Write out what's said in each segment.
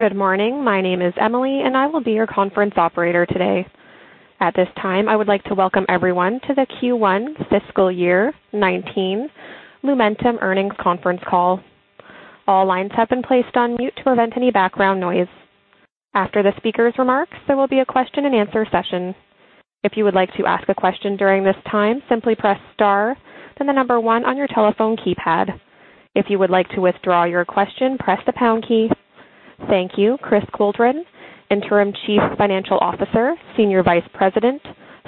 Good morning. My name is Emily, and I will be your conference operator today. At this time, I would like to welcome everyone to the Q1 Fiscal Year 2019 Lumentum Earnings Conference Call. All lines have been placed on mute to prevent any background noise. After the speakers' remarks, there will be a question and answer session. If you would like to ask a question during this time, simply press star, then the number 1 on your telephone keypad. If you would like to withdraw your question, press the pound key. Thank you. Chris Coldren, Interim Chief Financial Officer, Senior Vice President,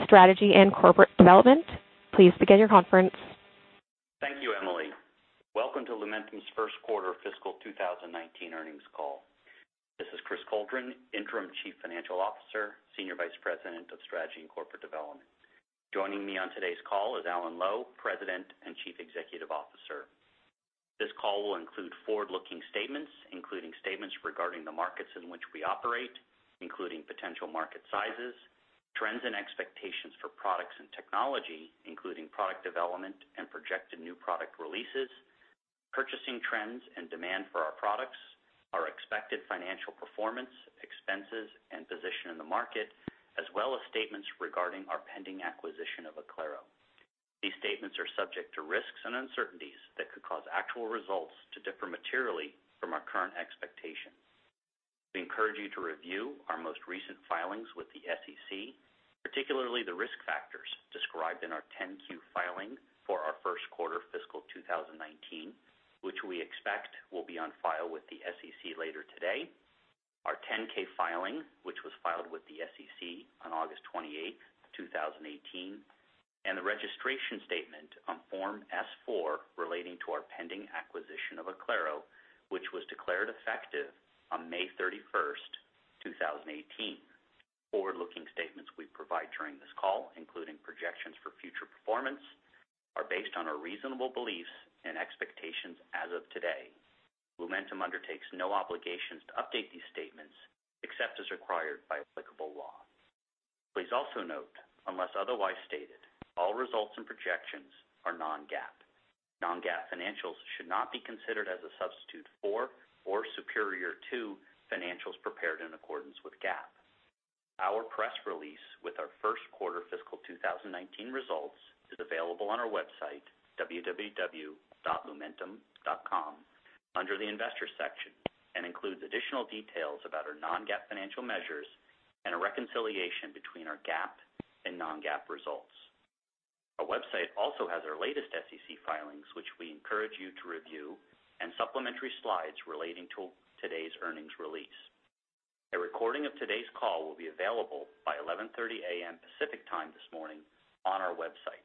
Strategy and Corporate Development, please begin your conference. Thank you, Emily. Welcome to Lumentum's first quarter fiscal 2019 earnings call. This is Chris Coldren, Interim Chief Financial Officer, Senior Vice President of Strategy and Corporate Development. Joining me on today's call is Alan Lowe, President and Chief Executive Officer. This call will include forward-looking statements, including statements regarding the markets in which we operate, including potential market sizes, trends, and expectations for products and technology, including product development and projected new product releases, purchasing trends and demand for our products, our expected financial performance, expenses, and position in the market, as well as statements regarding our pending acquisition of Oclaro. These statements are subject to risks and uncertainties that could cause actual results to differ materially from our current expectations. We encourage you to review our most recent filings with the SEC, particularly the risk factors described in our 10-Q filing for our first quarter fiscal 2019, which we expect will be on file with the SEC later today, our 10-K filing, which was filed with the SEC on August 28, 2018, and the registration statement on Form S-4 relating to our pending acquisition of Oclaro, which was declared effective on May 31, 2018. Forward-looking statements we provide during this call, including projections for future performance, are based on our reasonable beliefs and expectations as of today. Lumentum undertakes no obligations to update these statements, except as required by applicable law. Please also note, unless otherwise stated, all results and projections are non-GAAP. Non-GAAP financials should not be considered as a substitute for or superior to financials prepared in accordance with GAAP. Our press release with our first quarter fiscal 2019 results is available on our website, www.lumentum.com, under the investor section, and includes additional details about our non-GAAP financial measures and a reconciliation between our GAAP and non-GAAP results. Our website also has our latest SEC filings, which we encourage you to review, and supplementary slides relating to today's earnings release. A recording of today's call will be available by 11:30 A.M. Pacific Time this morning on our website.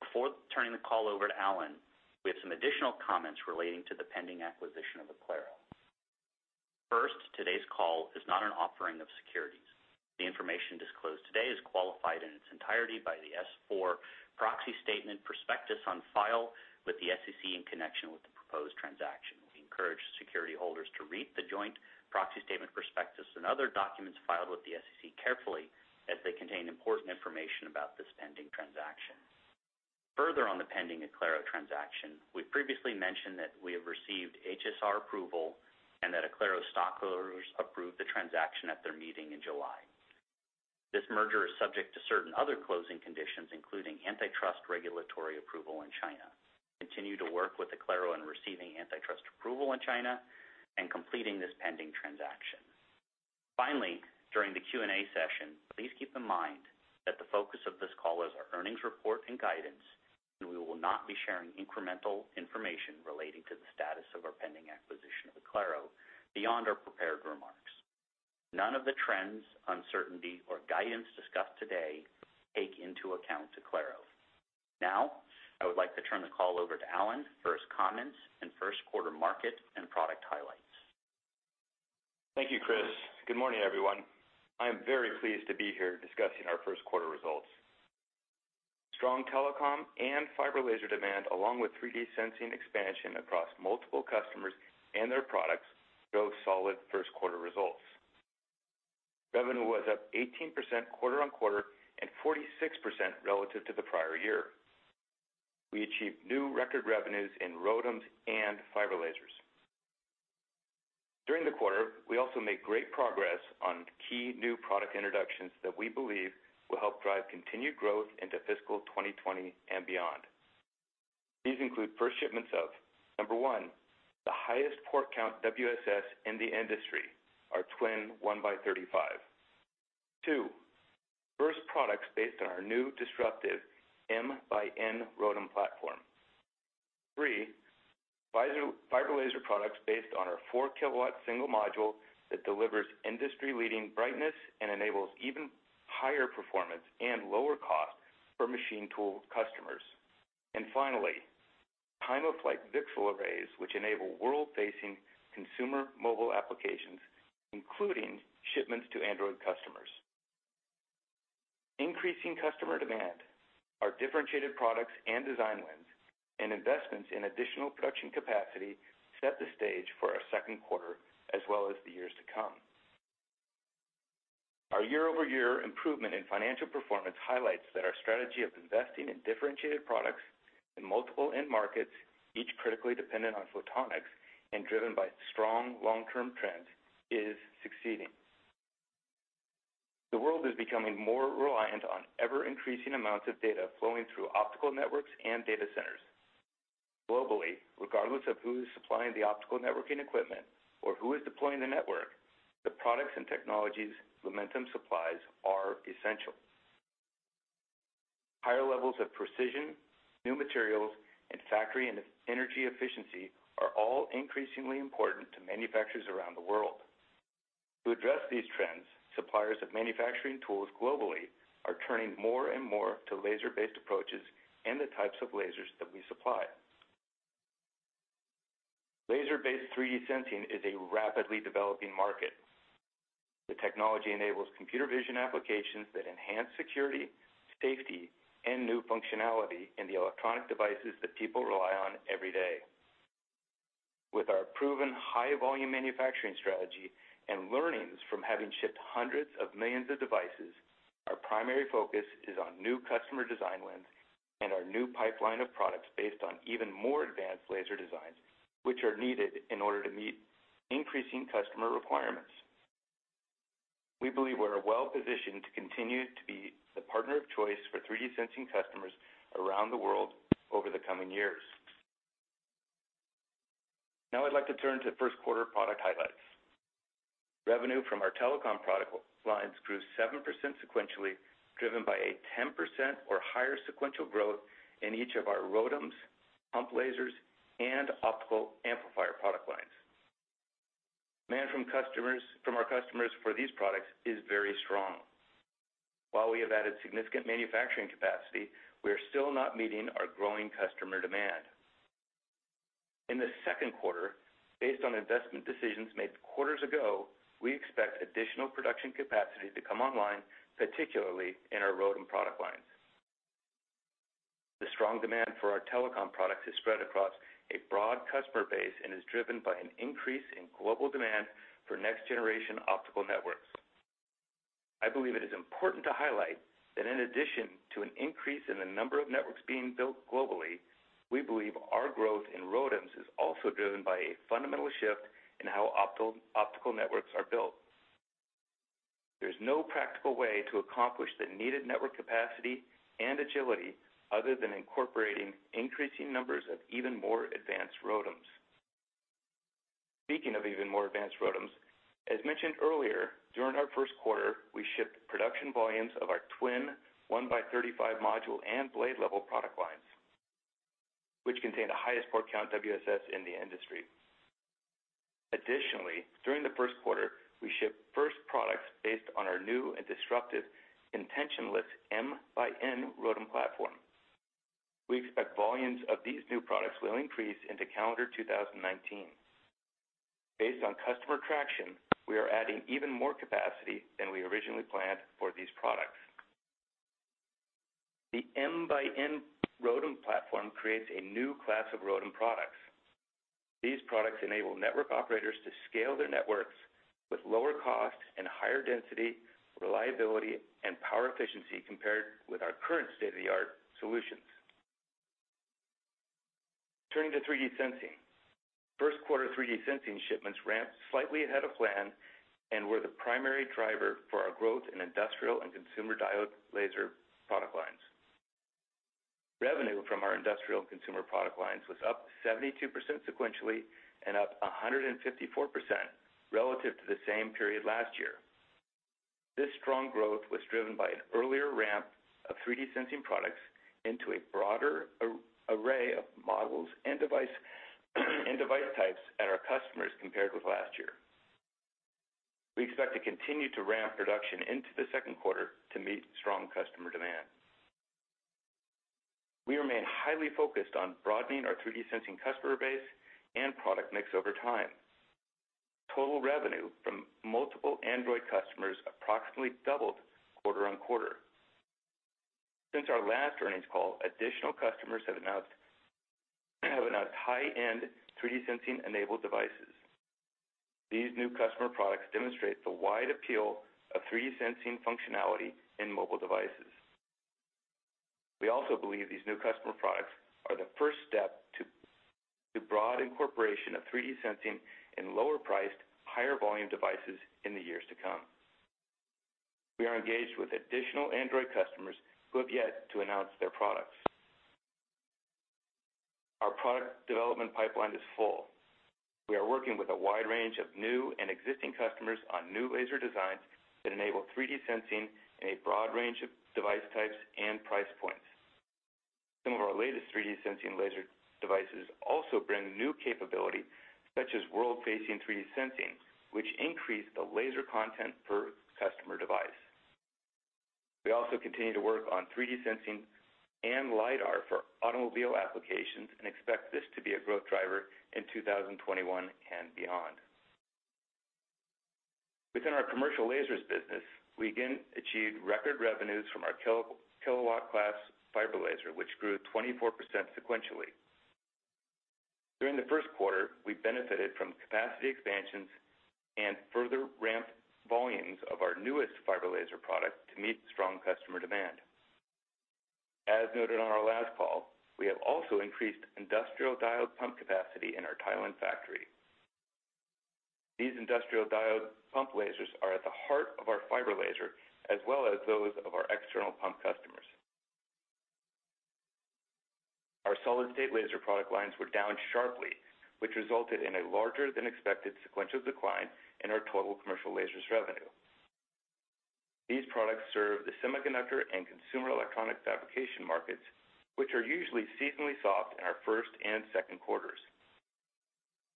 Before turning the call over to Alan, we have some additional comments relating to the pending acquisition of Oclaro. First, today's call is not an offering of securities. The information disclosed today is qualified in its entirety by the S-4 proxy statement prospectus on file with the SEC in connection with the proposed transaction. We encourage security holders to read the joint proxy statement prospectus and other documents filed with the SEC carefully, as they contain important information about this pending transaction. On the pending Oclaro transaction, we have previously mentioned that we have received HSR approval and that Oclaro stockholders approved the transaction at their meeting in July. This merger is subject to certain other closing conditions, including antitrust regulatory approval in China. We continue to work with Oclaro in receiving antitrust approval in China and completing this pending transaction. During the Q&A session, please keep in mind that the focus of this call is our earnings report and guidance, and we will not be sharing incremental information relating to the status of our pending acquisition of Oclaro beyond our prepared remarks. None of the trends, uncertainty, or guidance discussed today take into account Oclaro. I would like to turn the call over to Alan for his comments and first quarter market and product highlights. Thank you, Chris. Good morning, everyone. I am very pleased to be here discussing our first quarter results. Strong telecom and fiber laser demand, along with 3D sensing expansion across multiple customers and their products, show solid first quarter results. Revenue was up 18% quarter-on-quarter and 46% relative to the prior year. We achieved new record revenues in ROADMs and fiber lasers. During the quarter, we also made great progress on key new product introductions that we believe will help drive continued growth into fiscal 2020 and beyond. These include first shipments of, number one, the highest port count WSS in the industry, our Twin 1x35. Two, first products based on our new disruptive MxN ROADM platform. Three, fiber laser products based on our four-kilowatt single module that delivers industry-leading brightness and enables even higher performance and lower cost for machine tool customers. Finally, time-of-flight VCSEL arrays, which enable world-facing consumer mobile applications, including shipments to Android customers. Increasing customer demand, our differentiated products and design wins, and investments in additional production capacity set the stage for our second quarter as well as the years to come. Our year-over-year improvement in financial performance highlights that our strategy of investing in differentiated products in multiple end markets, each critically dependent on photonics and driven by strong long-term trends, is succeeding. The world is becoming more reliant on ever-increasing amounts of data flowing through optical networks and data centers. Globally, regardless of who is supplying the optical networking equipment or who is deploying the network, the products and technologies Lumentum supplies are essential. Higher levels of precision, new materials, and factory and energy efficiency are all increasingly important to manufacturers around the world. To address these trends, suppliers of manufacturing tools globally are turning more and more to laser-based approaches and the types of lasers that we supply. Laser-based 3D sensing is a rapidly developing market. The technology enables computer vision applications that enhance security, safety, and new functionality in the electronic devices that people rely on every day. With our proven high-volume manufacturing strategy and learnings from having shipped hundreds of millions of devices, our primary focus is on new customer design wins and our new pipeline of products based on even more advanced laser designs, which are needed in order to meet increasing customer requirements. We believe we're well-positioned to continue to be the partner of choice for 3D sensing customers around the world over the coming years. Now I'd like to turn to first quarter product highlights. Revenue from our telecom product lines grew 7% sequentially, driven by a 10% or higher sequential growth in each of our ROADMs, pump lasers, and optical amplifier product lines. Demand from our customers for these products is very strong. While we have added significant manufacturing capacity, we are still not meeting our growing customer demand. In the second quarter, based on investment decisions made quarters ago, we expect additional production capacity to come online, particularly in our ROADM product lines. The strong demand for our telecom products is spread across a broad customer base and is driven by an increase in global demand for next-generation optical networks. I believe it is important to highlight that in addition to an increase in the number of networks being built globally, we believe our growth in ROADMs is also driven by a fundamental shift in how optical networks are built. There's no practical way to accomplish the needed network capacity and agility other than incorporating increasing numbers of even more advanced ROADMs. Speaking of even more advanced ROADMs, as mentioned earlier, during our first quarter, we shipped production volumes of our Twin 1x35 module and blade level product lines, which contain the highest port count WSS in the industry. Additionally, during the first quarter, we shipped first products based on our new and disruptive contentionless MxN ROADM platform. We expect volumes of these new products will increase into calendar 2019. Based on customer traction, we are adding even more capacity than we originally planned for these products. The MxN ROADM platform creates a new class of ROADM products. These products enable network operators to scale their networks with lower cost and higher density, reliability, and power efficiency compared with our current state-of-the-art solutions. Turning to 3D sensing. First quarter 3D sensing shipments ramped slightly ahead of plan and were the primary driver for our growth in industrial and consumer diode laser product lines. Revenue from our industrial and consumer product lines was up 72% sequentially and up 154% relative to the same period last year. This strong growth was driven by an earlier ramp of 3D sensing products into a broader array of models and device types at our customers compared with last year. We expect to continue to ramp production into the second quarter to meet strong customer demand. We remain highly focused on broadening our 3D sensing customer base and product mix over time. Total revenue from multiple Android customers approximately doubled quarter on quarter. Since our last earnings call, additional customers have announced high-end 3D sensing enabled devices. These new customer products demonstrate the wide appeal of 3D sensing functionality in mobile devices. We also believe these new customer products are the first step to broad incorporation of 3D sensing in lower priced, higher volume devices in the years to come. We are engaged with additional Android customers who have yet to announce their products. Our product development pipeline is full. We are working with a wide range of new and existing customers on new laser designs that enable 3D sensing in a broad range of device types and price points. Some of our latest 3D sensing laser devices also bring new capability, such as world-facing 3D sensing, which increase the laser content per customer device. We also continue to work on 3D sensing and LiDAR for automobile applications, and expect this to be a growth driver in 2021 and beyond. Within our commercial lasers business, we again achieved record revenues from our kilowatt class fiber laser, which grew 24% sequentially. During the first quarter, we benefited from capacity expansions and further ramped volumes of our newest fiber laser product to meet strong customer demand. As noted on our last call, we have also increased industrial diode pump capacity in our Thailand factory. These industrial diode pump lasers are at the heart of our fiber laser, as well as those of our external pump customers. Our solid state laser product lines were down sharply, which resulted in a larger than expected sequential decline in our total commercial lasers revenue. These products serve the semiconductor and consumer electronic fabrication markets, which are usually seasonally soft in our first and second quarters.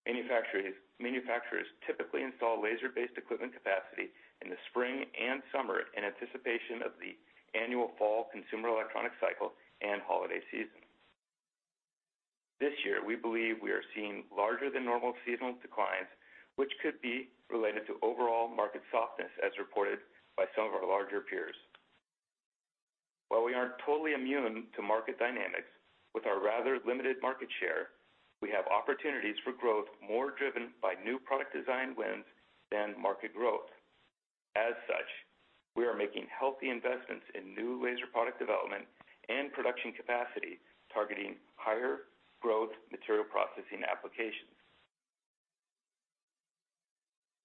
Manufacturers typically install laser-based equipment capacity in the spring and summer in anticipation of the annual fall consumer electronic cycle and holiday season. This year, we believe we are seeing larger than normal seasonal declines, which could be related to overall market softness as reported by some of our larger peers. While we aren't totally immune to market dynamics, with our rather limited market share, we have opportunities for growth more driven by new product design wins than market growth. As such, we are making healthy investments in new laser product development and production capacity targeting higher growth material processing applications.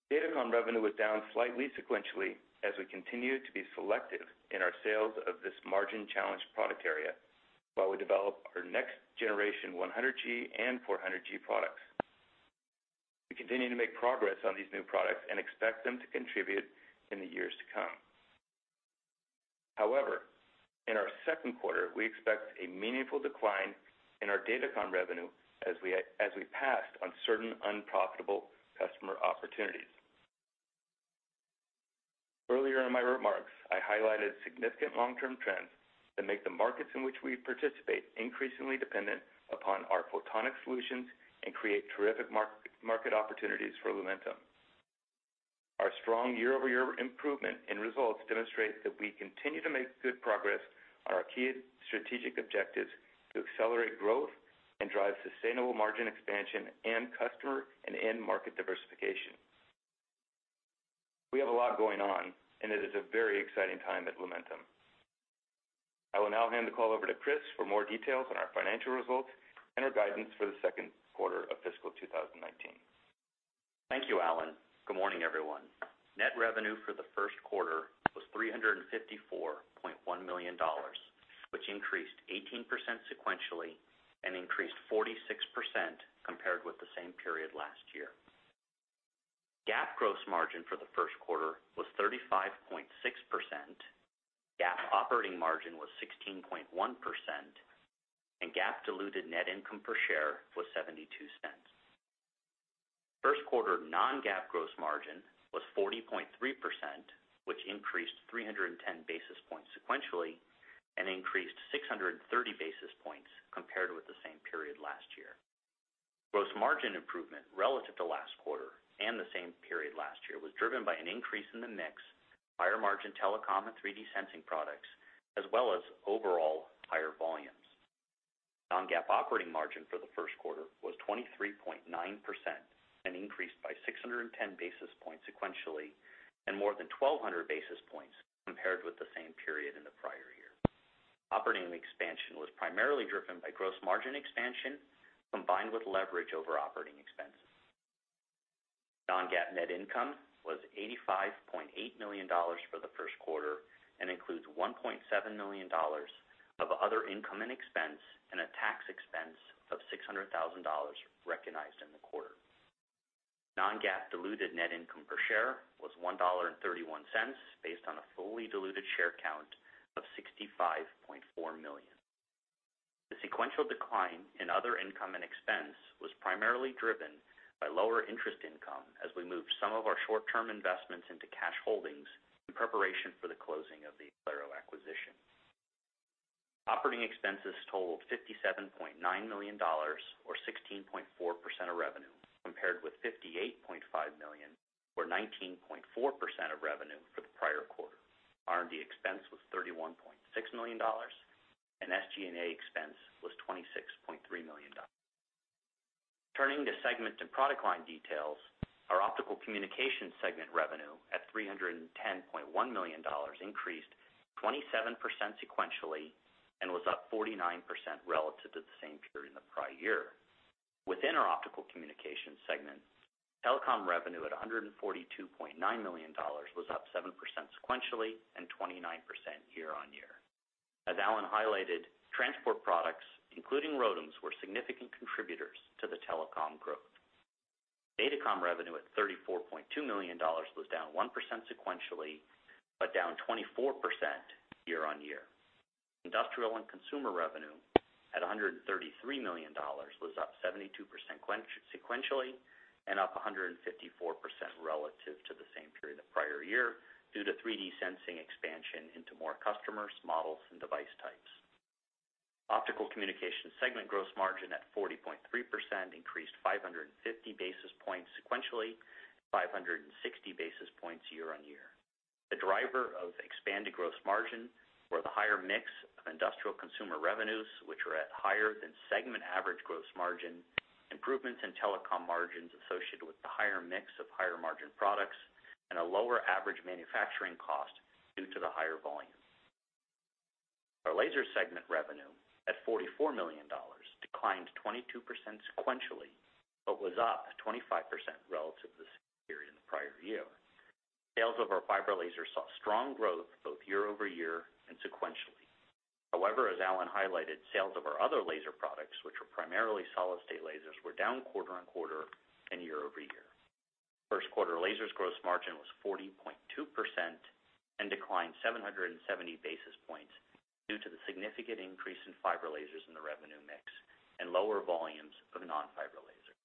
Datacom revenue was down slightly sequentially as we continue to be selective in our sales of this margin-challenged product area while we develop our next generation 100G and 400G products. We continue to make progress on these new products and expect them to contribute in the years to come. However, in our second quarter, we expect a meaningful decline in our Datacom revenue as we passed on certain unprofitable customer opportunities. Earlier in my remarks, I highlighted significant long-term trends that make the markets in which we participate increasingly dependent upon our photonic solutions and create terrific market opportunities for Lumentum. Our strong year-over-year improvement and results demonstrate that we continue to make good progress on our key strategic objectives to accelerate growth and drive sustainable margin expansion and customer and end market diversification. We have a lot going on and it is a very exciting time at Lumentum. I will now hand the call over to Chris for more details on our financial results and our guidance for the second quarter of fiscal 2019. Thank you, Alan. Good morning, everyone. Net revenue for the first quarter was $354.1 million, which increased 18% sequentially and increased 46% compared with the same period last year. GAAP gross margin for the first quarter was 35.6%. GAAP operating margin was 16.1%, and GAAP diluted net income per share was $0.72. First quarter non-GAAP gross margin was 40.3%, which increased 310 basis points sequentially and increased 630 basis points compared with the same period last year. Gross margin improvement relative to last quarter and the same period last year was driven by an increase in the mix, higher margin telecom and 3D sensing products, as well as overall higher volumes. Non-GAAP operating margin for the first quarter was 23.9% and increased by 610 basis points sequentially and more than 1,200 basis points compared with the same period in the prior year. Operating expansion was primarily driven by gross margin expansion combined with leverage over operating expenses. Non-GAAP net income was $85.8 million for the first quarter and includes $1.7 million of other income and expense and a tax expense of $600,000 recognized in the quarter. Non-GAAP diluted net income per share was $1.31, based on a fully diluted share count of 65.4 million. The sequential decline in other income and expense was primarily driven by lower interest income as we moved some of our short-term investments into cash holdings in preparation for the closing of the Oclaro acquisition. Operating expenses totaled $57.9 million or 16.4% of revenue, compared with $58.5 million or 19.4% of revenue for the prior quarter. R&D expense was $31.6 million, and SG&A expense was $26.3 million. Turning to segment and product line details, our Optical Communication segment revenue at $310.1 million increased 27% sequentially and was up 49% relative to the same period in the prior year. Within our Optical Communication segment, telecom revenue at $142.9 million was up 7% sequentially and 29% year on year. As Alan highlighted, transport products, including ROADMs, were significant contributors to the telecom growth. Datacom revenue at $34.2 million was down 1% sequentially, but down 24% year on year. Industrial and consumer revenue at $133 million was up 72% sequentially and up 154% relative to the same period the prior year due to 3D sensing expansion into more customers, models, and device types. Optical Communication segment gross margin at 40.3% increased 550 basis points sequentially, 560 basis points year on year. The driver of expanded gross margin were the higher mix of industrial consumer revenues, which were at higher than segment average gross margin, improvements in telecom margins associated with the higher mix of higher-margin products, and a lower average manufacturing cost due to the higher volume. Our laser segment revenue, at $44 million, declined 22% sequentially, but was up 25% relative to the same period in the prior year. Sales of our fiber lasers saw strong growth both year-over-year and sequentially. However, as Alan highlighted, sales of our other laser products, which were primarily solid state lasers, were down quarter on quarter and year-over-year. First quarter lasers gross margin was 40.2% and declined 770 basis points due to the significant increase in fiber lasers in the revenue mix and lower volumes of non-fiber lasers.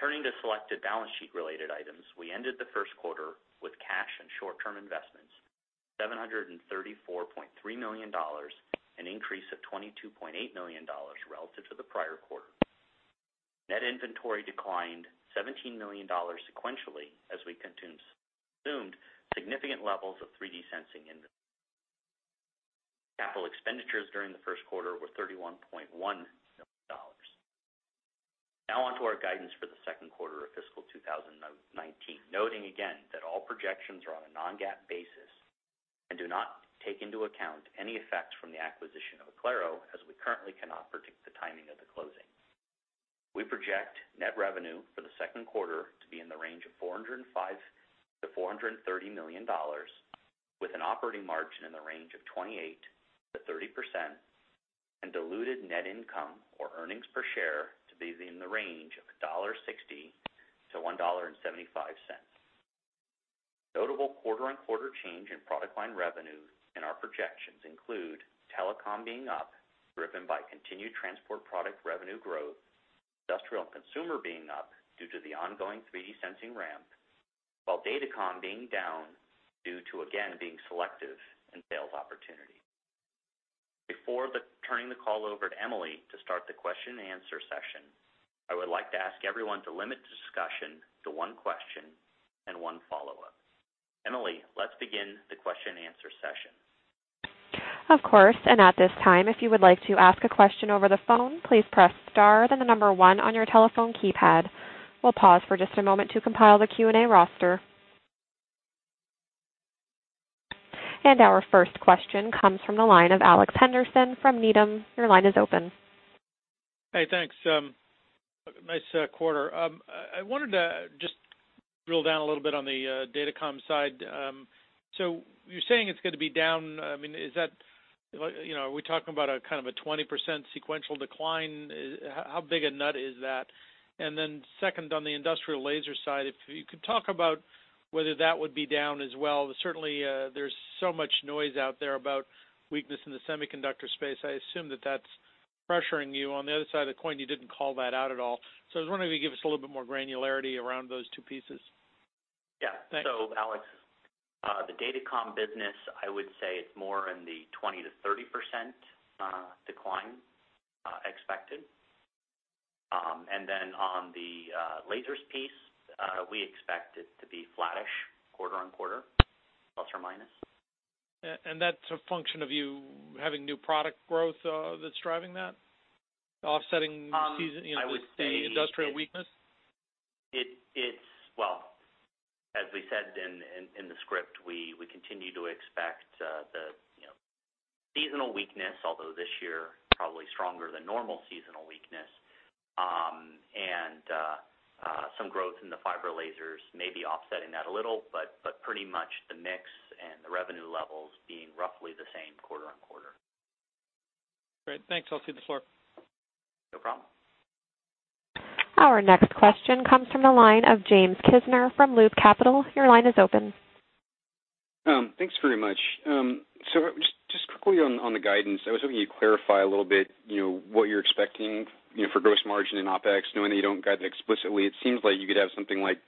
Turning to selected balance sheet-related items, we ended the first quarter with cash and short-term investments, $734.3 million, an increase of $22.8 million relative to the prior quarter. Net inventory declined $17 million sequentially as we consumed significant levels of 3D sensing inventory. Capital expenditures during the first quarter were $31.1 million. Now on to our guidance for the second quarter of fiscal 2019. Noting again that all projections are on a non-GAAP basis and do not take into account any effects from the acquisition of Oclaro, as we currently cannot predict the timing of the closing. We project net revenue for the second quarter to be in the range of $405 million-$430 million, with an operating margin in the range of 28%-30% and diluted net income or earnings per share to be in the range of $1.60-$1.75. Notable quarter-on-quarter change in product line revenue in our projections include telecom being up, driven by continued transport product revenue growth, industrial and consumer being up due to the ongoing 3D sensing ramp, while datacom being down due to, again, being selective in sales opportunities. Before turning the call over to Emily to start the question and answer session, I would like to ask everyone to limit discussion to one question and one follow-up. Emily, let's begin the question and answer session. Of course, at this time, if you would like to ask a question over the phone, please press star then the number one on your telephone keypad. We'll pause for just a moment to compile the Q&A roster. Our first question comes from the line of Alex Henderson from Needham. Your line is open. Hey, thanks. Nice quarter. I wanted to just drill down a little bit on the datacom side. You're saying it's gonna be down. Are we talking about a 20% sequential decline? How big a nut is that? Second, on the industrial laser side, if you could talk about whether that would be down as well. Certainly, there's so much noise out there about weakness in the semiconductor space. I assume that that's pressuring you. On the other side of the coin, you didn't call that out at all. I was wondering if you could give us a little bit more granularity around those two pieces. Yeah. Thanks. Alex, the datacom business, I would say it's more in the 20%-30% decline expected. On the lasers piece, we expect it to be flattish quarter-on-quarter, ±. That's a function of you having new product growth that's driving that, offsetting- I would say- the industrial weakness? As we said in the script, we continue to expect the seasonal weakness, although this year, probably stronger than normal seasonal weakness. Some growth in the fiber lasers may be offsetting that a little, but pretty much the mix and the revenue levels being roughly the same quarter-on-quarter. Great. Thanks. I'll cede the floor. No problem. Our next question comes from the line of James Kisner from Loop Capital. Your line is open. Thanks very much. Just quickly on the guidance, I was hoping you'd clarify a little bit what you're expecting for gross margin and OpEx, knowing that you don't guide that explicitly. It seems like you could have something like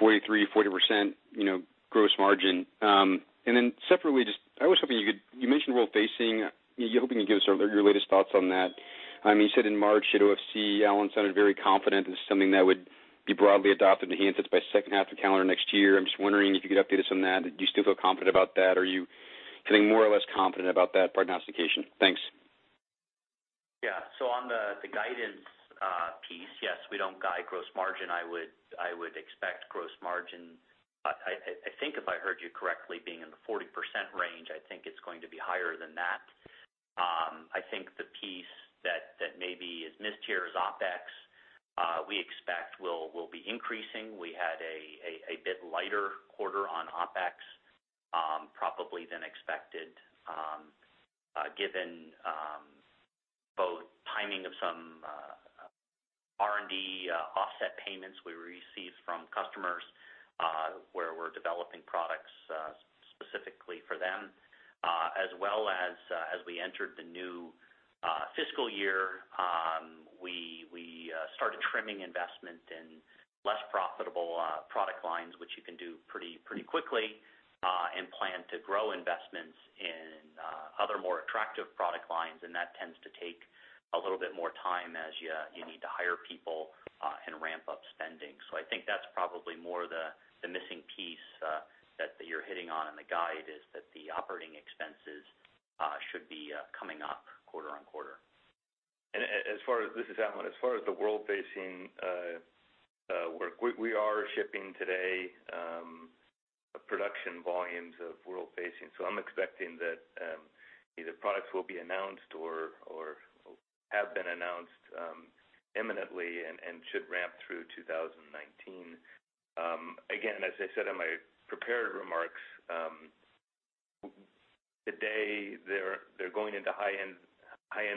43%, 40% gross margin. Separately, you mentioned world-facing. I was hoping you'd give us your latest thoughts on that. You said in March at OFC, Alan sounded very confident this is something that would be broadly adopted and hinted by second half of calendar next year. I'm just wondering if you could update us on that. Do you still feel confident about that? Are you feeling more or less confident about that prognostication? Thanks. On the guidance piece, yes, we don't guide gross margin. I would expect gross margin, I think if I heard you correctly, being in the 40% range. I think it's going to be higher than that. I think the piece that maybe is missed here is OpEx. We expect will be increasing. We had a bit lighter quarter on OpEx probably than expected, given both timing of some R&D offset payments we received from customers where we're developing products specifically for them, as well as we entered the new fiscal year, we started trimming investment in less profitable product lines, which you can do pretty quickly, and plan to grow investments in other more attractive product lines, and that tends to take a little bit more time as you need to hire people, and ramp up spending. I think that's probably more the missing piece that you're hitting on in the guide is that the operating expenses should be coming up quarter-on-quarter. This is Alan. As far as the world-facing work, we are shipping today production volumes of world facing. I'm expecting that either products will be announced or have been announced imminently and should ramp through 2019. Again, as I said in my prepared remarks, today they're going into high-end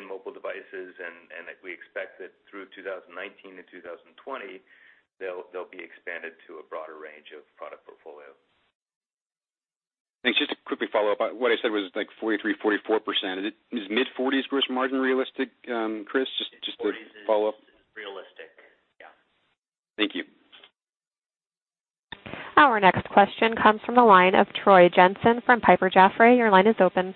mobile devices and we expect that through 2019-2020, they'll be expanded to a broader range of product portfolio. Thanks. Just a quick follow-up. What I said was like 43%, 44%. Is mid-40s gross margin realistic, Chris? Just to follow up. Mid-40s is realistic. Yeah. Thank you. Our next question comes from the line of Troy Jensen from Piper Jaffray. Your line is open.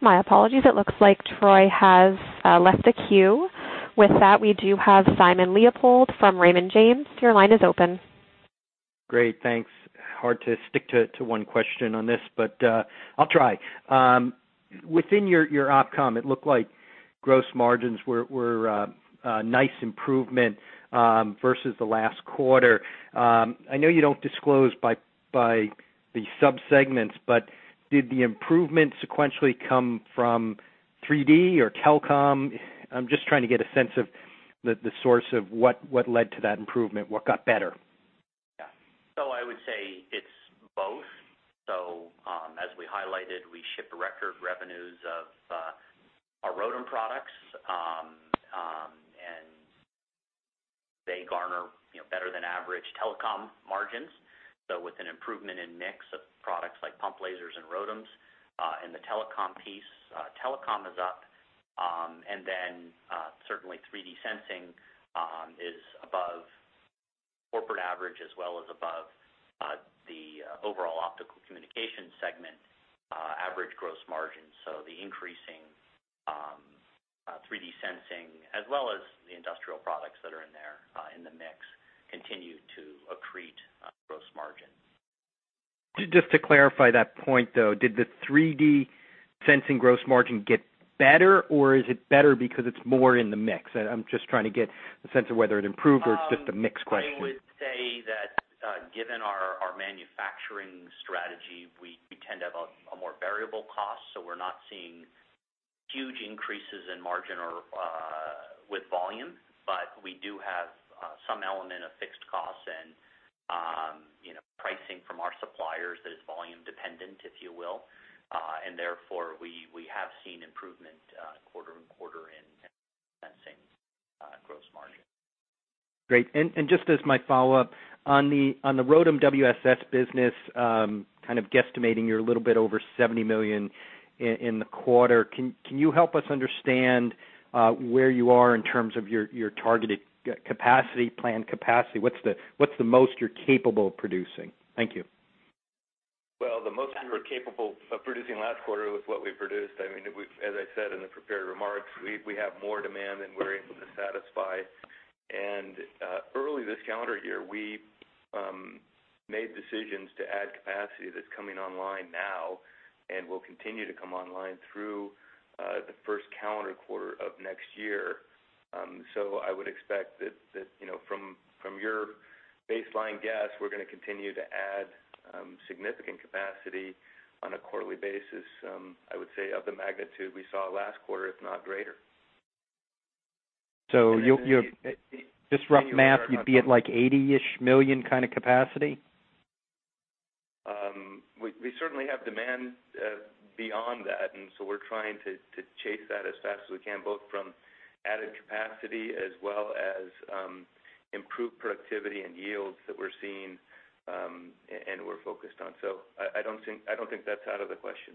My apologies. It looks like Troy has left the queue. With that, we do have Simon Leopold from Raymond James. Your line is open. Great. Thanks. Hard to stick to one question on this, but I'll try. Within your Optical Communications, it looked like gross margins were a nice improvement versus the last quarter. I know you don't disclose by the sub-segments, but did the improvement sequentially come from 3D or telecom? I'm just trying to get a sense of the source of what led to that improvement, what got better. Yeah. I would say it's both. As we highlighted, we shipped record revenues of our ROADM products, and they garner better than average telecom margins. With an improvement in mix of products like pump lasers and ROADM, in the telecom piece, telecom is up. Certainly 3D sensing is above corporate average as well as above the overall Optical Communications segment average gross margin. The increasing 3D sensing as well as the industrial products that are in there in the mix continue to accrete gross margin. Just to clarify that point, though, did the 3D sensing gross margin get better, or is it better because it's more in the mix? I'm just trying to get a sense of whether it improved or it's just a mix question. I would say that, given our manufacturing strategy, we tend to have a more variable cost. We're not seeing huge increases in margin or with volume. We do have some element of fixed costs and pricing from our suppliers that is volume dependent, if you will. Therefore, we have seen improvement quarter-on-quarter in sensing gross margin. Just as my follow-up on the ROADM WSS business, kind of guesstimating you're a little bit over $70 million in the quarter. Can you help us understand where you are in terms of your targeted capacity, planned capacity? What's the most you're capable of producing? Thank you. Well, the most we were capable of producing last quarter was what we produced. As I said in the prepared remarks, we have more demand than we're able to satisfy. Early this calendar year, we made decisions to add capacity that's coming online now and will continue to come online through the first calendar quarter of next year. I would expect that from your baseline guess, we're going to continue to add significant capacity on a quarterly basis, I would say of the magnitude we saw last quarter, if not greater. Just rough math, you'd be at like $80-ish million kind of capacity? We certainly have demand beyond that, we're trying to chase that as fast as we can, both from added capacity as well as improved productivity and yields that we're seeing and we're focused on. I don't think that's out of the question.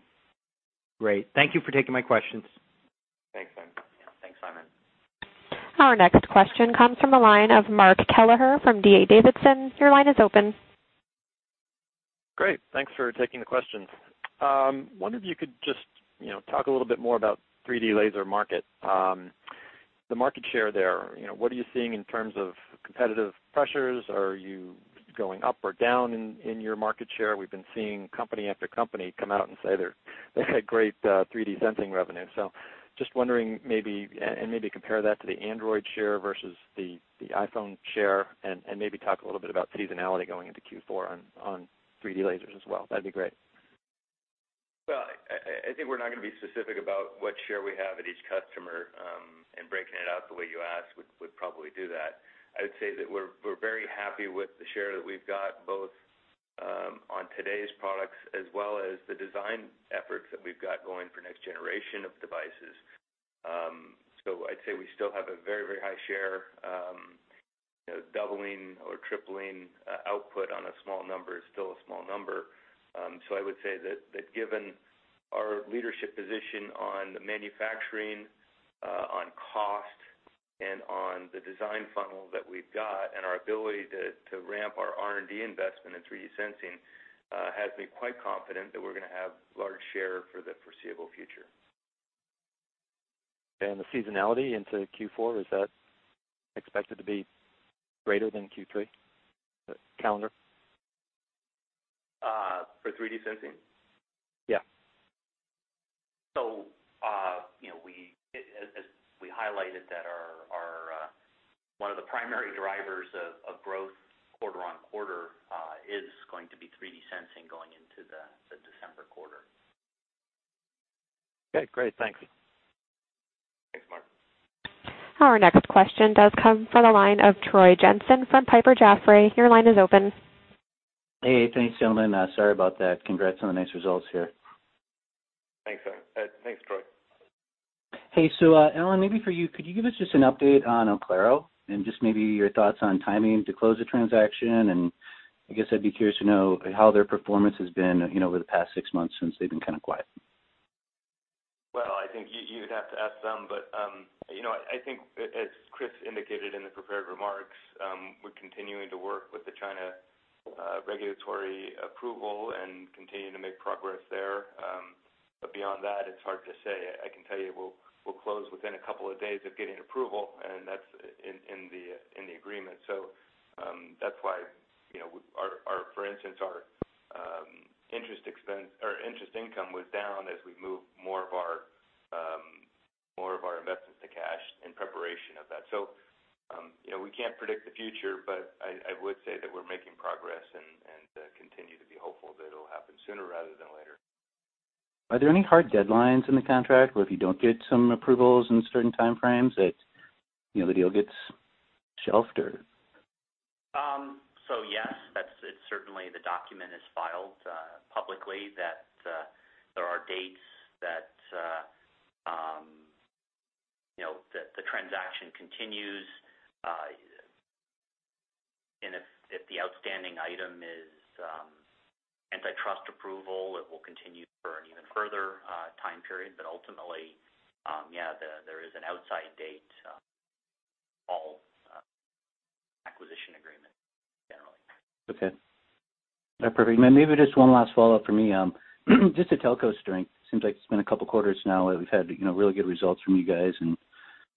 Great. Thank you for taking my questions. Thanks, Simon. Yeah. Thanks, Simon. Our next question comes from a line of Mark Kelleher from D.A. Davidson. Your line is open. Great. Thanks for taking the questions. Wonder if you could just talk a little bit more about 3D laser market. The market share there, what are you seeing in terms of competitive pressures? Are you going up or down in your market share? We've been seeing company after company come out and say they had great 3D sensing revenue. Just wondering maybe, and maybe compare that to the Android share versus the iPhone share and maybe talk a little bit about seasonality going into Q4 on 3D lasers as well. That'd be great. Well, I think we're not going to be specific about what share we have at each customer. Breaking it out the way you asked would probably do that. I would say that we're very happy with the share that we've got, both on today's products as well as the design efforts that we've got going for next generation of devices. I'd say we still have a very high share. Doubling or tripling output on a small number is still a small number. I would say that given our leadership position on the manufacturing, on cost and on the design funnel that we've got and our ability to ramp our R&D investment in 3D sensing has me quite confident that we're going to have large share for the foreseeable future. The seasonality into Q4, is that expected to be greater than Q3 calendar? For 3D sensing? Yeah. As we highlighted, one of the primary drivers of growth quarter-on-quarter is going to be 3D sensing going into the December quarter. Okay, great. Thanks. Thanks, Mark. Our next question does come from the line of Troy Jensen from Piper Jaffray. Your line is open. Hey, thanks Alan, it's Troy. Sorry about that. Congrats on the nice results here. Thanks, Troy. Hey. Alan, maybe for you, could you give us just an update on Oclaro and just maybe your thoughts on timing to close the transaction? I guess I'd be curious to know how their performance has been over the past six months since they've been kind of quiet. Well, I think you'd have to ask them, but I think as Chris indicated in the prepared remarks, we're continuing to work with the China regulatory approval and continuing to make progress there. Beyond that, it's hard to say. I can tell you we'll close within a couple of days of getting approval, and that's in the agreement. That's why, for instance, our interest income was down as we moved more of our investments to cash in preparation of that. We can't predict the future, but I would say that we're making progress and continue to be hopeful that it'll happen sooner rather than later. Are there any hard deadlines in the contract where if you don't get some approvals in certain time frames that the deal gets shelved or? Yes, certainly the document is filed publicly that there are dates that the transaction continues. If the outstanding item is antitrust approval, it will continue for an even further time period. Ultimately, yeah, there is an outside date on all acquisition agreements generally. Okay. Perfect. Maybe just one last follow-up from me. Just the telco strength, seems like it's been a couple of quarters now where we've had really good results from you guys and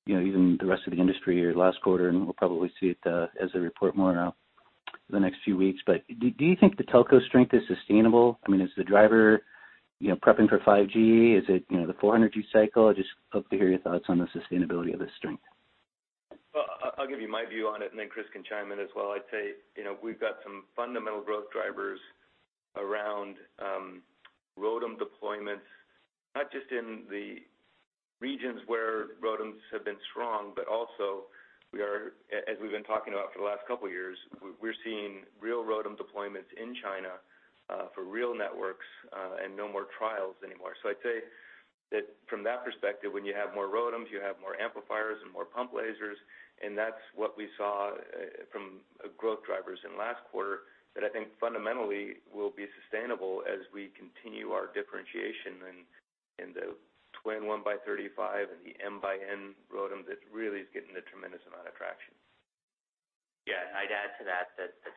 even the rest of the industry here last quarter, and we'll probably see it as they report more in the next few weeks. Do you think the telco strength is sustainable? I mean, is the driver prepping for 5G? Is it the 400G cycle? I'd just love to hear your thoughts on the sustainability of this strength. Well, I'll give you my view on it, Chris can chime in as well. I'd say, we've got some fundamental growth drivers around ROADM deployments, not just in the regions where ROADMs have been strong, but also, as we've been talking about for the last couple of years, we're seeing real ROADM deployments in China for real networks and no more trials anymore. I'd say that from that perspective, when you have more ROADMs, you have more amplifiers and more pump lasers, and that's what we saw from growth drivers in last quarter, that I think fundamentally will be sustainable as we continue our differentiation in the Twin 1x35 and the MxN ROADM that really is getting a tremendous amount of traction. I'd add to that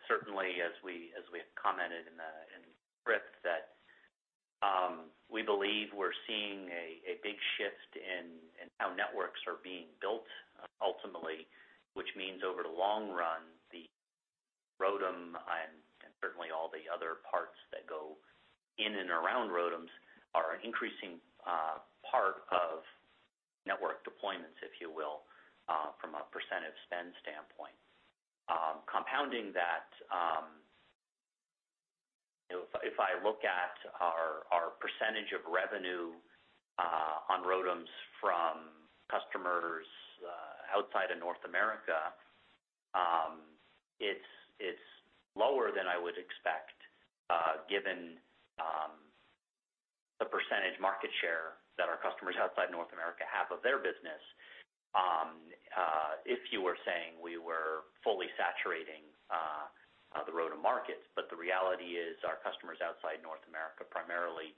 certainly as we have commented, and Chris, that we believe we're seeing a big shift in how networks are being built ultimately, which means over the long run, the ROADM and certainly all the other parts that go in and around ROADM are an increasing part of network deployments, if you will, from a % of spend standpoint. Compounding that, if I look at our % of revenue on ROADM from customers outside of North America, it's lower than I would expect given the % market share that our customers outside North America have of their business if you were saying we were fully saturating the ROADM markets. The reality is our customers outside North America, primarily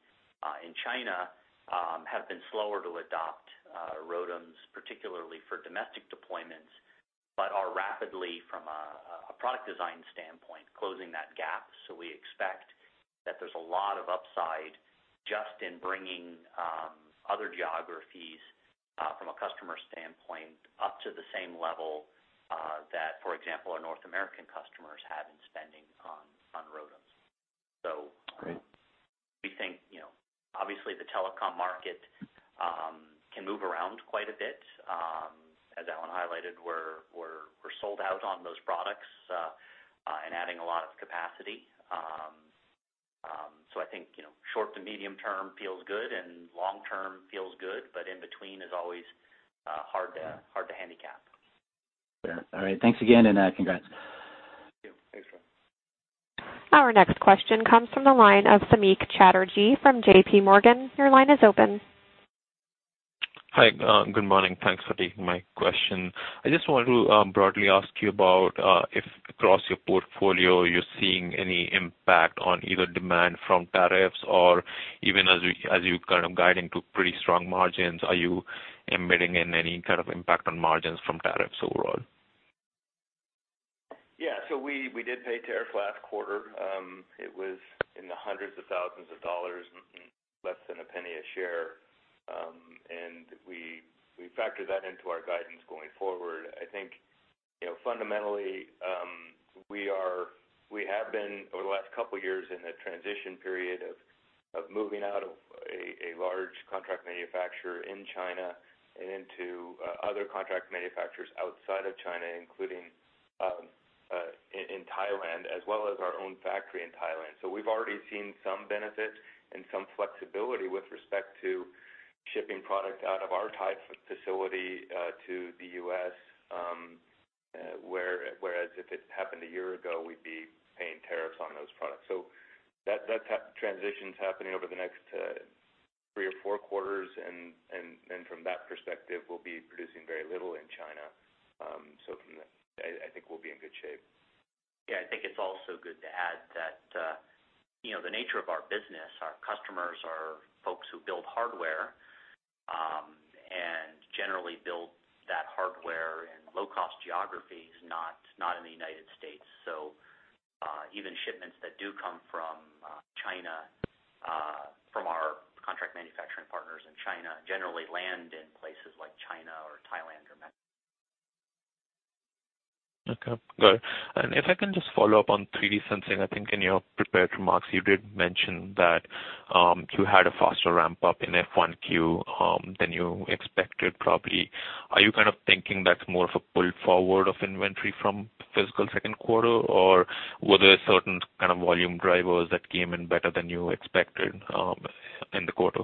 in China, have been slower to adopt ROADM, particularly for domestic deployments, but are rapidly, from a product design standpoint, closing that gap. We expect that there's a lot of upside just in bringing other geographies from a customer standpoint up to the same level that, for example, our North American customers have in spending on ROADM. Great. We think, obviously the telecom market can move around quite a bit. As Alan highlighted, we're sold out on those products and adding a lot of capacity. I think short to medium term feels good and long term feels good, but in between is always hard to handicap. Yeah. All right. Thanks again, and congrats. Thank you. Thanks, Troy. Our next question comes from the line of Samik Chatterjee from JPMorgan. Your line is open. Hi. Good morning. Thanks for taking my question. I just wanted to broadly ask you about if across your portfolio you're seeing any impact on either demand from tariffs or even as you guide into pretty strong margins, are you embedding in any kind of impact on margins from tariffs overall? Yeah. We did pay tariffs last quarter. It was in the hundreds of thousands of dollars, less than $0.01 a share. We factor that into our guidance going forward. I think fundamentally, we have been, over the last couple of years, in a transition period of moving out of a large contract manufacturer in China and into other contract manufacturers outside of China, including in Thailand, as well as our own factory in Thailand. We've already seen some benefits and some flexibility with respect to shipping product out of our Thai facility to the U.S., whereas if it happened a year ago, we'd be paying tariffs on those products. That transition's happening over the next three or four quarters, and from that perspective, we'll be producing very little in China. From that, I think we'll be in good shape. Yeah. I think it's also good to add that the nature of our business, our customers are folks who build hardware, and generally build that hardware in low-cost geographies, not in the U.S. Even shipments that do come from China, from our contract manufacturing partners in China, generally land in places like China or Thailand or Mexico. Okay, good. If I can just follow up on 3D sensing, I think in your prepared remarks, you did mention that you had a faster ramp-up in F1Q than you expected, probably. Are you kind of thinking that's more of a pull forward of inventory from fiscal second quarter, or were there certain kind of volume drivers that came in better than you expected in the quarter?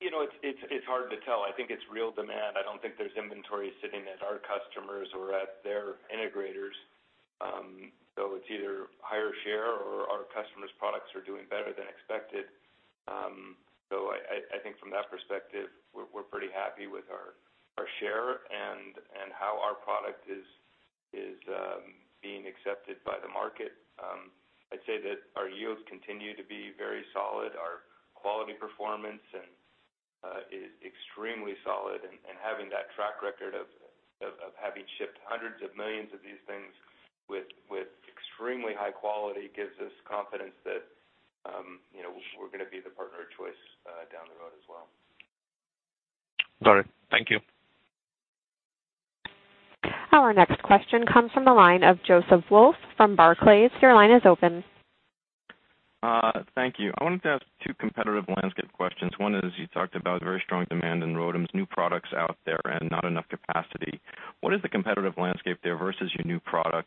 It's hard to tell. I think it's real demand. I don't think there's inventory sitting at our customers or at their integrators. It's either higher share or our customers' products are doing better than expected. I think from that perspective, we're pretty happy with our share and how our product is being accepted by the market. I'd say that our yields continue to be very solid. Our quality performance is extremely solid, having that track record of having shipped hundreds of millions of these things with extremely high quality gives us confidence that we're going to be the partner of choice down the road as well. Got it. Thank you. Our next question comes from the line of Joseph Wolf from Barclays. Your line is open. Thank you. I wanted to ask two competitive landscape questions. One is, you talked about very strong demand in ROADM, new products out there and not enough capacity. What is the competitive landscape there versus your new products?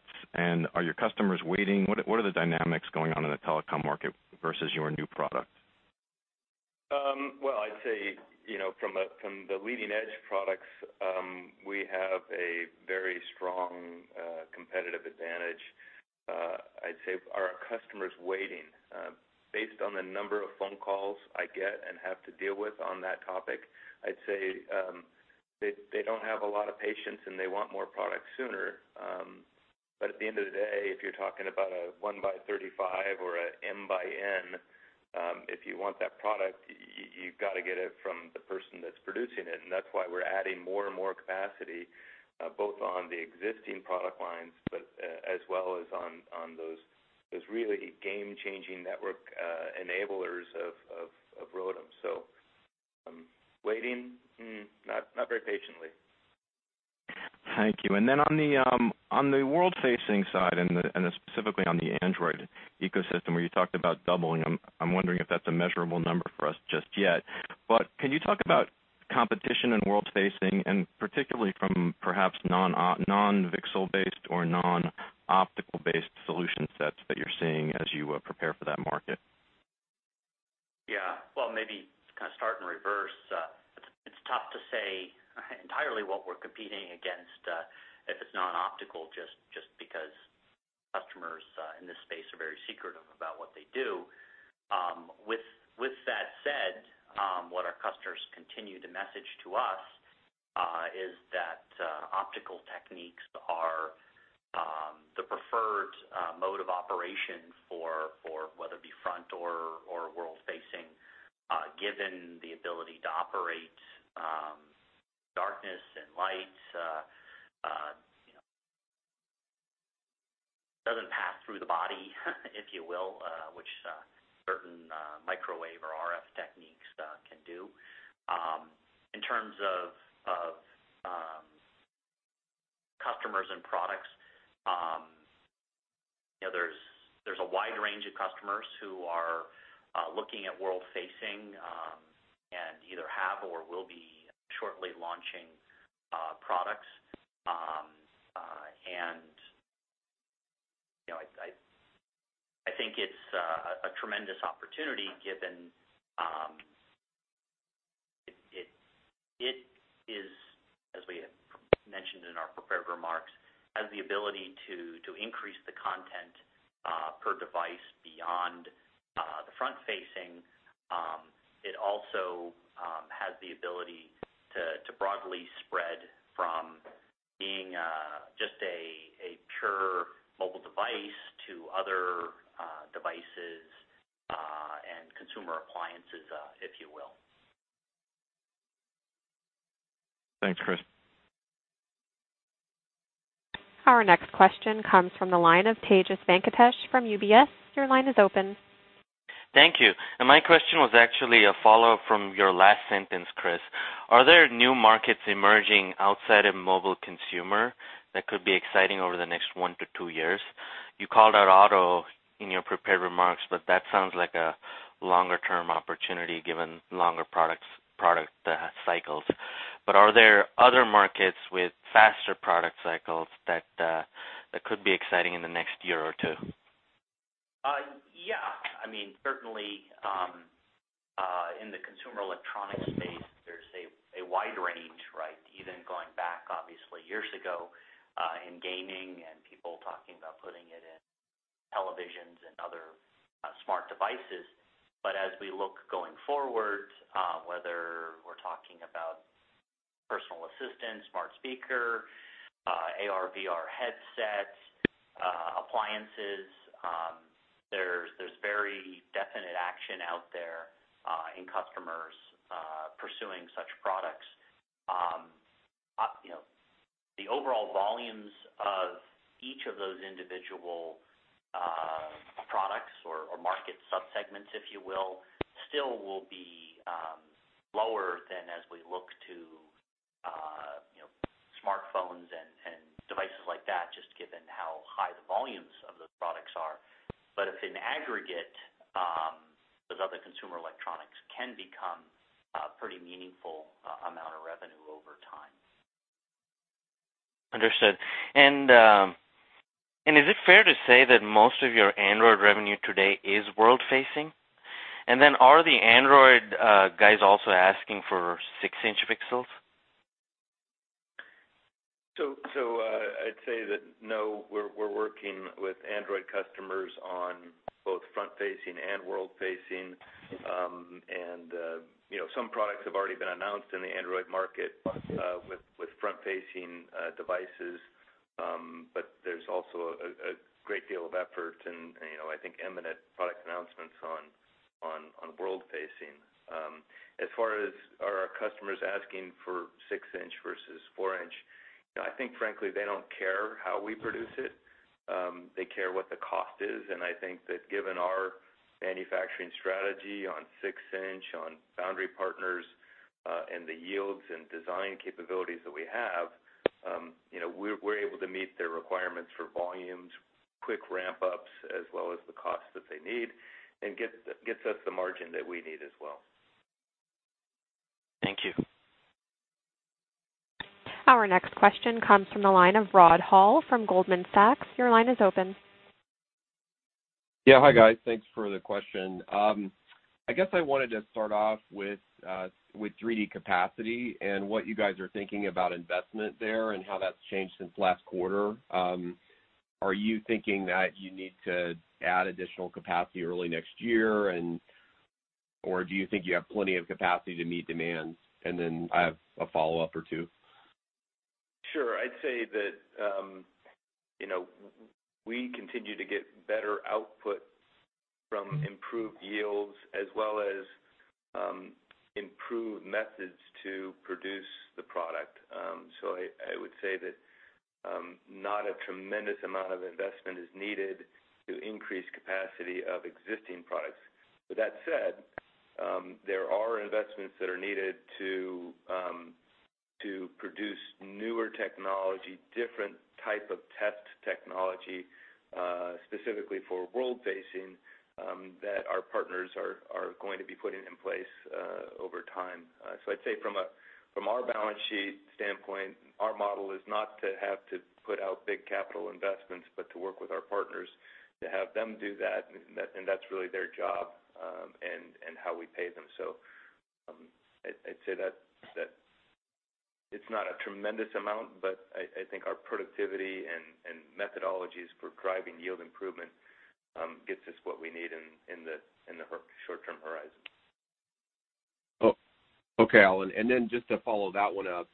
Are your customers waiting? What are the dynamics going on in the telecom market versus your new product? Well, I'd say, from the leading-edge products, we have a very strong competitive advantage. I'd say, are our customers waiting? Based on the number of phone calls I get and have to deal with on that topic, I'd say they don't have a lot of patience, they want more product sooner. At the end of the day, if you're talking about a 1x35 or a M by N, if you want that product, you've got to get it from the person that's producing it. That's why we're adding more and more capacity, both on the existing product lines, as well as on those really game-changing network enablers of ROADM. Waiting? Not very patiently. Thank you. Then on the world-facing side, and specifically on the Android ecosystem where you talked about doubling, I'm wondering if that's a measurable number for us just yet. Can you talk about competition in world-facing, and particularly from perhaps non-VCSEL based or non-optical based solution sets that you're seeing as you prepare for that market? Yeah. Well, maybe kind of start in reverse. It's tough to say entirely what we're competing against if it's non-optical, just because customers in this space are very secretive about what they do. With that said, what our customers continue to message to us is that optical techniques are the preferred mode of operation for whether it be front or world-facing, given the ability to operate darkness and light. It doesn't pass through the body if you will, which certain microwave or RF techniques can do. In terms of customers and products, there's a wide range of customers who are looking at world-facing, and either have or will be shortly launching products. I think it's a tremendous opportunity given it is, as we had mentioned in our prepared remarks, has the ability to increase the content per device beyond the front facing. It also has the ability to broadly spread from being just a pure mobile device to other devices and consumer appliances, if you will. Thanks, Chris. Our next question comes from the line of Tejas Venkatesh from UBS. Your line is open. Thank you. My question was actually a follow-up from your last sentence, Chris. Are there new markets emerging outside of mobile consumer that could be exciting over the next one to two years? You called out auto in your prepared remarks, but that sounds like a longer-term opportunity given longer product cycles. Are there other markets with faster product cycles that could be exciting in the next year or two? Yeah. Certainly, in the consumer electronics space, there's a wide range, right? Even going back obviously years ago, in gaming and people talking about putting it in televisions and other smart devices. As we look going forward, whether we're talking about personal assistant, smart speaker, AR/VR headsets, appliances, there's very definite action out there in customers pursuing such products. The overall volumes of each of those individual products or market sub-segments, if you will, still will be lower than as we look to smartphones and devices like that, just given how high the volumes of those products are. If in aggregate, those other consumer electronics can become a pretty meaningful amount of revenue over time. Understood. Is it fair to say that most of your Android revenue today is world-facing? Are the Android guys also asking for six-inch wafers? I'd say that no, we're working with Android customers on both front-facing and world-facing. Some products have already been announced in the Android market with front-facing devices. There's also a great deal of effort and I think eminent product announcements on world-facing. As far as are our customers asking for six-inch versus four-inch, I think frankly, they don't care how we produce it. They care what the cost is, and I think that given our manufacturing strategy on six-inch, on foundry partners, and the yields and design capabilities that we have, we're able to meet their requirements for volumes, quick ramp-ups, as well as the cost that they need and gets us the margin that we need as well. Thank you. Our next question comes from the line of Rod Hall from Goldman Sachs. Your line is open. Hi, guys. Thanks for the question. I guess I wanted to start off with 3D capacity and what you guys are thinking about investment there and how that's changed since last quarter. Are you thinking that you need to add additional capacity early next year, or do you think you have plenty of capacity to meet demands? I have a follow-up or two. Sure. I'd say that we continue to get better output from improved yields as well as improved methods to produce the product. I would say that not a tremendous amount of investment is needed to increase capacity of existing products. With that said, there are investments that are needed to produce newer technology, different type of test technology, specifically for world-facing, that our partners are going to be putting in place over time. I'd say from our balance sheet standpoint, our model is not to have to put out big capital investments, but to work with our partners to have them do that, and that's really their job, and how we pay them. I'd say that it's not a tremendous amount, but I think our productivity and methodologies for driving yield improvement gets us what we need in the short-term horizon. Okay, Alan. Then just to follow that one up,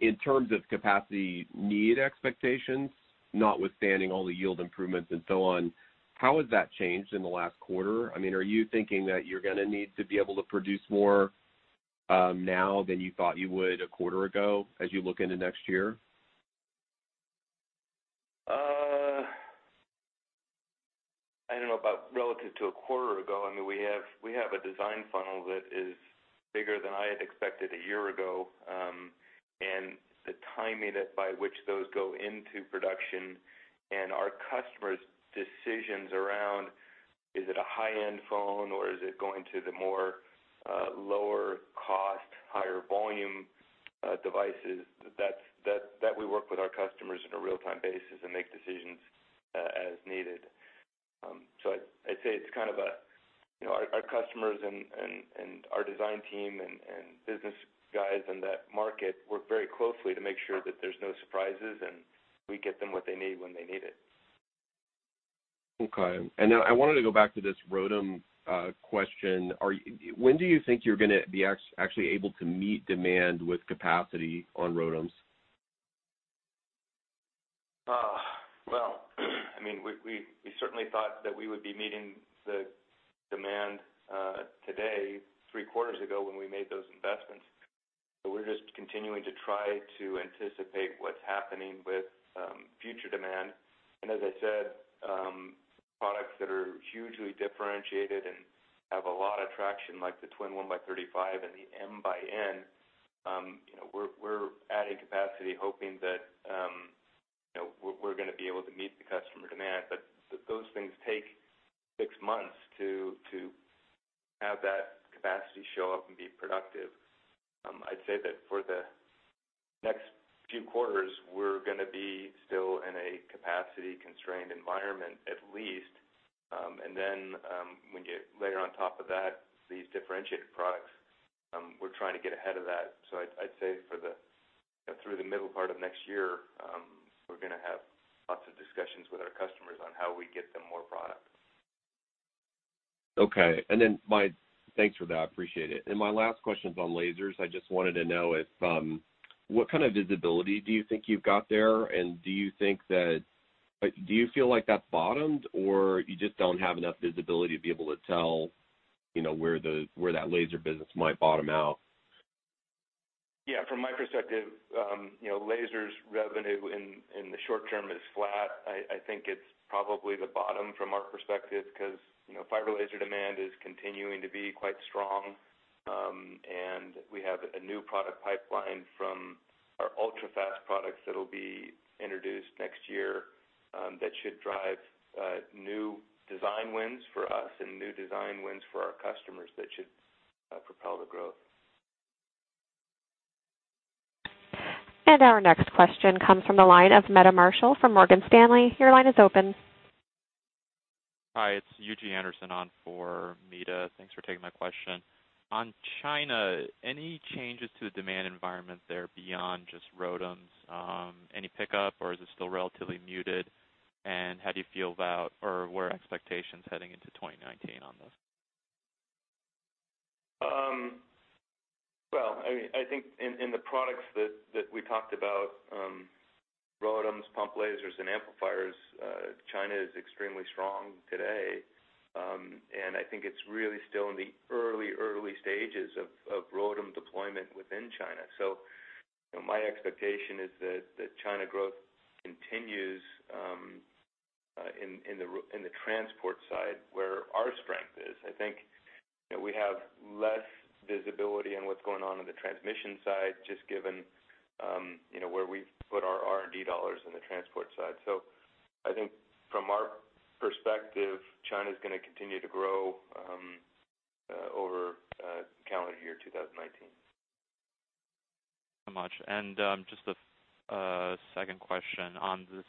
in terms of capacity need expectations, notwithstanding all the yield improvements and so on, how has that changed in the last quarter? Are you thinking that you're going to need to be able to produce more now than you thought you would a quarter ago as you look into next year? I don't know about relative to a quarter ago. We have a design funnel that is bigger than I had expected a year ago, and the timing by which those go into production and our customers' decisions around is it a high-end phone or is it going to the more lower cost, higher volume devices, that we work with our customers on a real-time basis and make decisions as needed. I'd say our customers and our design team and business guys in that market work very closely to make sure that there's no surprises and we get them what they need when they need it. Okay. Now I wanted to go back to this ROADM question. When do you think you're going to be actually able to meet demand with capacity on ROADM? Well, we certainly thought that we would be meeting the demand today three quarters ago when we made those investments. We're just continuing to try to anticipate what's happening with future demand. As I said, products that are hugely differentiated and have a lot of traction, like the Twin 1 by 35 and the M by N, we're adding capacity hoping that we're going to be able to meet the customer demand. Those things take six months to have that capacity show up and be productive. I'd say that for the next few quarters, we're going to be still in a capacity-constrained environment, at least. Then when you layer on top of that these differentiated products, we're trying to get ahead of that. I'd say through the middle part of next year, we're going to have lots of discussions with our customers on how we get them more product. Okay. Thanks for that. I appreciate it. My last question is on lasers. I just wanted to know what kind of visibility do you think you've got there? Do you feel like that's bottomed, or you just don't have enough visibility to be able to tell where that laser business might bottom out? Yeah, from my perspective, lasers revenue in the short term is flat. I think it's probably the bottom from our perspective, because fiber laser demand is continuing to be quite strong. We have a new product pipeline from our Ultrafast products that'll be introduced next year that should drive new design wins for us and new design wins for our customers that should propel the growth. Our next question comes from the line of Meta Marshall from Morgan Stanley. Your line is open. Hi, it's Eugene Anderson on for Meta. Thanks for taking my question. On China, any changes to the demand environment there beyond just ROADM? Any pickup, or is it still relatively muted? How do you feel about where expectations heading into 2019 on this? Well, I think in the products that we talked about, ROADM, pump lasers, and amplifiers, China is extremely strong today. I think it's really still in the early stages of ROADM deployment within China. My expectation is that China growth continues in the transport side, where our strength is. I think that we have less visibility on what's going on in the transmission side, just given where we've put our R&D dollars in the transport side. I think from our perspective, China's going to continue to grow over calendar year 2019. So much. Just a second question on this.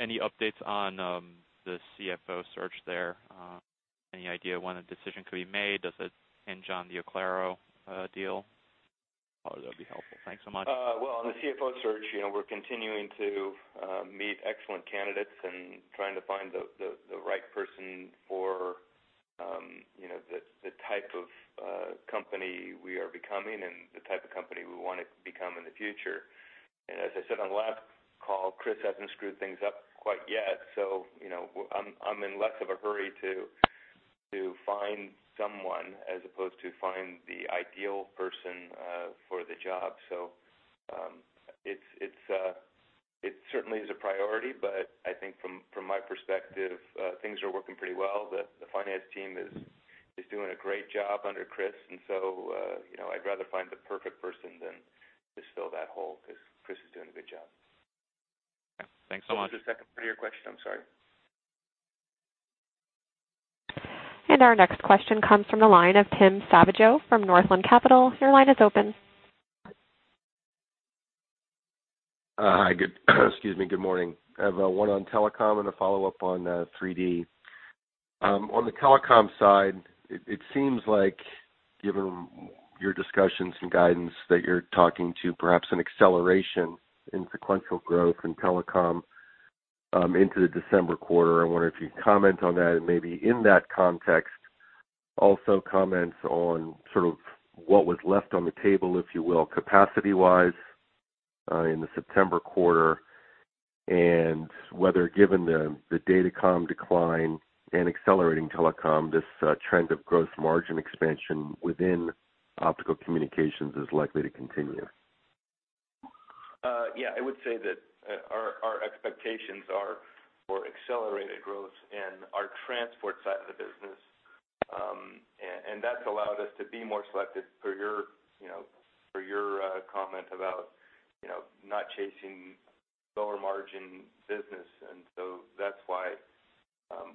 Any updates on the CFO search there? Any idea when a decision could be made? Does it hinge on the Oclaro deal? That would be helpful. Thanks so much. Well, on the CFO search, we're continuing to meet excellent candidates and trying to find the right person for the type of company we are becoming and the type of company we want to become in the future. As I said on the last call, Chris hasn't screwed things up quite yet, I'm in less of a hurry to find someone as opposed to find the ideal person for the job. It certainly is a priority, but I think from my perspective, things are working pretty well. The finance team is doing a great job under Chris. I'd rather find the perfect person than just fill that hole because Chris is doing a good job. Yeah. Thanks so much. What was the second part of your question? I'm sorry. Our next question comes from the line of Tim Savageaux from Northland Capital Markets. Your line is open. Excuse me. Good morning. I have one on telecom and a follow-up on 3D sensing. On the telecom side, it seems like given your discussions and guidance, that you're talking to perhaps an acceleration in sequential growth in telecom into the December quarter. I wonder if you could comment on that. Maybe in that context, also comment on sort of what was left on the table, if you will, capacity-wise in the September quarter, and whether given the datacom decline and accelerating telecom, this trend of gross margin expansion within Optical Communications is likely to continue. Yeah. I would say that our expectations are for accelerated growth in our transport side of the business. That's allowed us to be more selective per your comment about not chasing lower margin business. That's why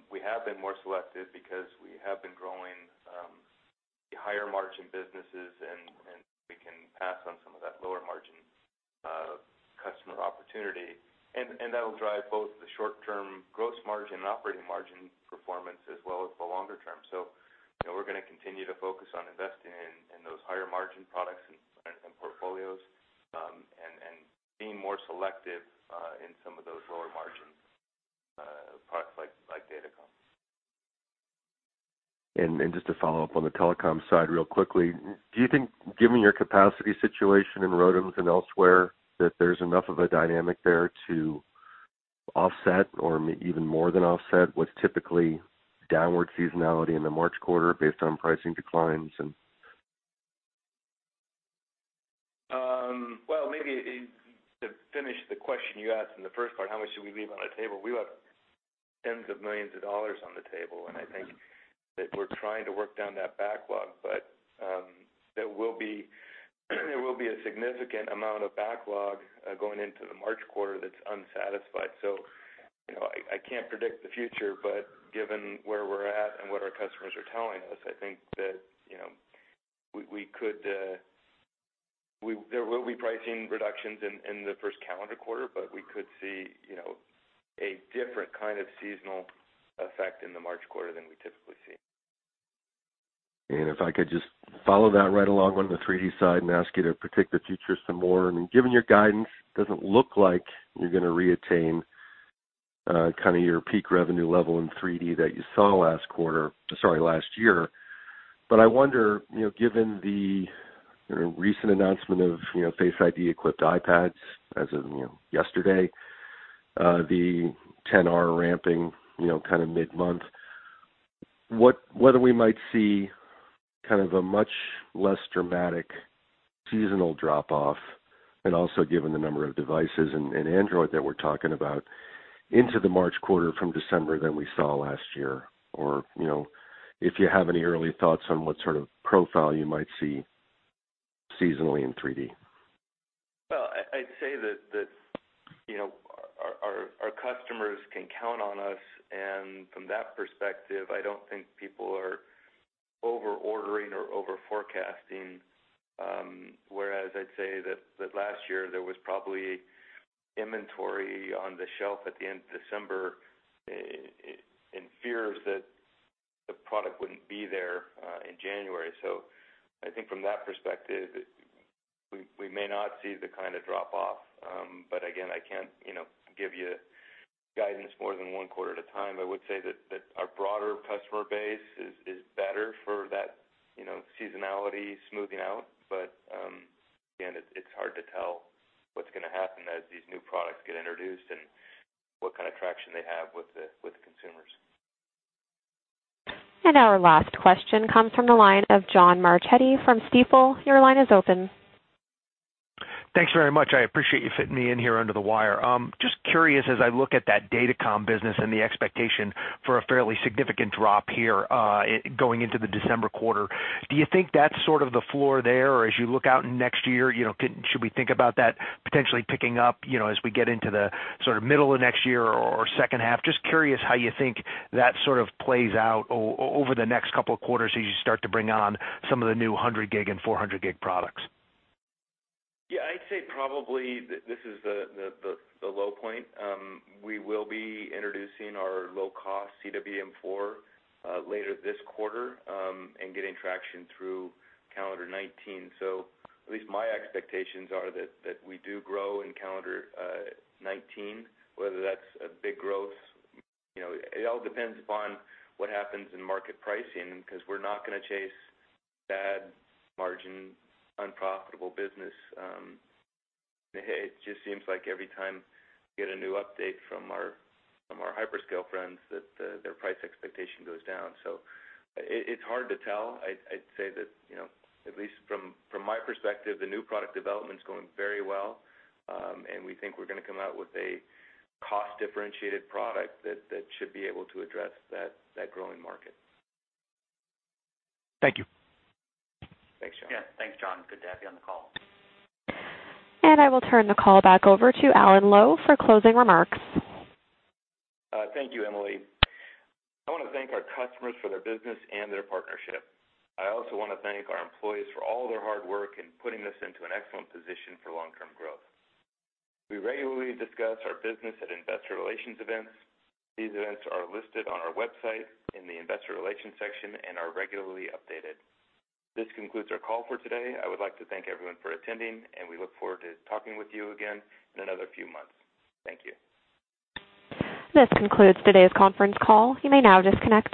we have been more selective because we have been growing the higher margin businesses, and we can pass on some of that lower margin customer opportunity. That'll drive both the short-term gross margin and operating margin performance as well as the longer term. We're going to continue to focus on investing in those higher margin products and portfolios and being more selective in some of those lower margin- Just to follow up on the telecom side real quickly, do you think given your capacity situation in ROADMs and elsewhere, that there's enough of a dynamic there to offset or even more than offset what's typically downward seasonality in the March quarter based on pricing declines and. Well, maybe to finish the question you asked in the first part, how much do we leave on the table? We left $ tens of millions of dollars on the table, I think that we're trying to work down that backlog. There will be a significant amount of backlog going into the March quarter that's unsatisfied. I can't predict the future, but given where we're at and what our customers are telling us, I think that there will be pricing reductions in the first calendar quarter, but we could see a different kind of seasonal effect in the March quarter than we typically see. If I could just follow that right along on the 3D side and ask you to predict the future some more. I mean, given your guidance, doesn't look like you're going to reattain your peak revenue level in 3D that you saw last year. I wonder, given the recent announcement of Face ID-equipped iPad as of yesterday, the 10R ramping mid-month, whether we might see a much less dramatic seasonal drop-off, and also given the number of devices and Android that we're talking about into the March quarter from December than we saw last year or if you have any early thoughts on what sort of profile you might see seasonally in 3D. Well, I'd say that our customers can count on us, from that perspective, I don't think people are over-ordering or over-forecasting. Whereas I'd say that last year there was probably inventory on the shelf at the end of December in fears that the product wouldn't be there in January. I think from that perspective, we may not see the kind of drop-off. Again, I can't give you guidance more than one quarter at a time. I would say that our broader customer base is better for that seasonality smoothing out. Again, it's hard to tell what's going to happen as these new products get introduced and what kind of traction they have with the consumers. Our last question comes from the line of John Marchetti from Stifel. Your line is open. Thanks very much. I appreciate you fitting me in here under the wire. Just curious, as I look at that datacom business and the expectation for a fairly significant drop here going into the December quarter, do you think that's sort of the floor there? As you look out next year, should we think about that potentially picking up as we get into the middle of next year or second half? Just curious how you think that sort of plays out over the next couple of quarters as you start to bring on some of the new 100G and 400G products. Yeah, I'd say probably this is the low point. We will be introducing our low-cost CWDM4 later this quarter and getting traction through calendar 2019. At least my expectations are that we do grow in calendar 2019. Whether that's a big growth, it all depends upon what happens in market pricing because we're not going to chase bad margin, unprofitable business. It just seems like every time we get a new update from our hyperscale friends that their price expectation goes down. It's hard to tell. I'd say that at least from my perspective, the new product development's going very well, and we think we're going to come out with a cost-differentiated product that should be able to address that growing market. Thank you. Thanks, John. Yeah. Thanks, John. Good to have you on the call. I will turn the call back over to Alan Lowe for closing remarks. Thank you, Emily. I want to thank our customers for their business and their partnership. I also want to thank our employees for all their hard work in putting us into an excellent position for long-term growth. We regularly discuss our business at investor relations events. These events are listed on our website in the investor relations section and are regularly updated. This concludes our call for today. I would like to thank everyone for attending, and we look forward to talking with you again in another few months. Thank you. This concludes today's conference call. You may now disconnect.